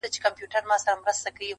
• مودې وسوې چا یې مخ نه وو لیدلی -